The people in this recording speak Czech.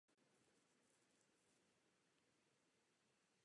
To zahrnuje oblasti jako je ochrana osobních údajů.